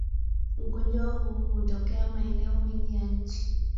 Ugonjwa huu hutokea maeneo mengi ya nchi